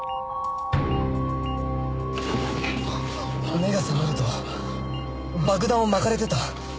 目が覚めると爆弾を巻かれてた。